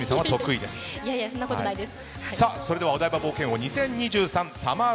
いやいやそんなことないです。